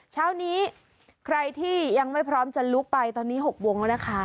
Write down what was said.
เช้านี้ใครที่ยังไม่พร้อมจะลุกไปตอนนี้๖วงแล้วนะคะ